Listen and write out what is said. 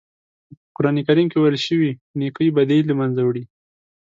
په قرآن کریم کې ویل شوي نېکۍ بدۍ له منځه وړي.